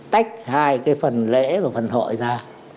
tách hai cái phần lễ và phần hội ra